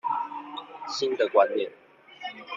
新的觀念